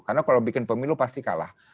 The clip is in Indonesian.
karena kalau bikin pemilu pasti kalah